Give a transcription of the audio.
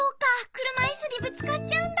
くるまいすにぶつかっちゃうんだ。